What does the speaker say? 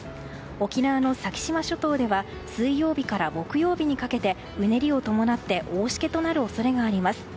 沖縄の先島諸島では水曜日から木曜日にかけてうねりを伴って大しけとなる恐れがあります。